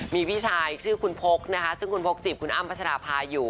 มีพี่ชายชื่อคุณพกนะคะซึ่งคุณพกจีบคุณอ้ำพัชราภาอยู่